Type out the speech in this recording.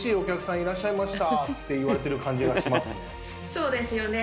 そうですよね。